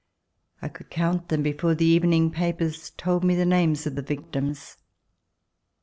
I could count them before the evening papers told me the names of the victims.